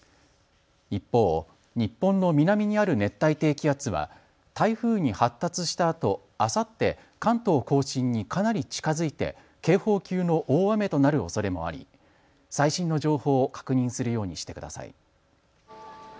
一方、日本の南にある熱帯低気圧は台風に発達したあとあさって関東甲信にかなり近づいて警報級の大雨となるおそれもあり最新の情報を確認するようにしてください。